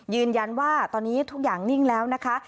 ยืนยันว่าตอนนี้ทุกอย่างนิ่งแล้วนะคะ